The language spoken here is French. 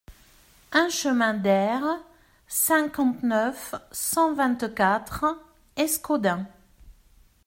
un chemin d'ERRE, cinquante-neuf, cent vingt-quatre, Escaudain